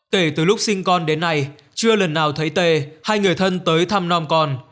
tê từ lúc sinh con đến nay chưa lần nào thấy tê hay người thân tới thăm non con